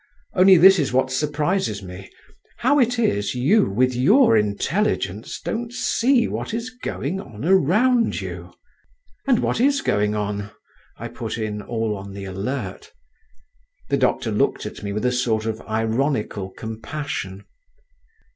Only this is what surprises me; how it is, you, with your intelligence, don't see what is going on around you?" "And what is going on?" I put in, all on the alert. The doctor looked at me with a sort of ironical compassion.